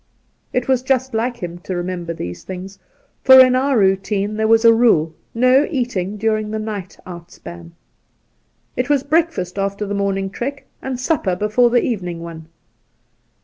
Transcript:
It was just like him to remember these things, for in our routine there was as a rule no eating during the night outspan. It was breakfast after the morning trek, and supper before the evening one.